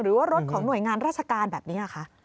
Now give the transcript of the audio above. หรือว่ารถของหน่วยงานราชการแบบนี้คะ